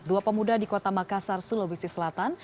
dua pemuda di kota makassar sulawesi selatan